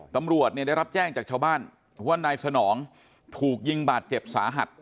ตำรวจเนี่ยได้รับแจ้งจากชาวบ้านว่านายสนองถูกยิงบาดเจ็บสาหัส